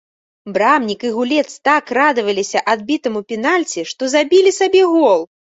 Брамнік і гулец так радаваліся адбітаму пенальці, што забілі сабе гол.